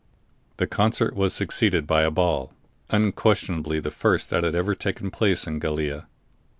_ The concert was succeeded by a ball, unquestionably the first that had ever taken place in Gallia.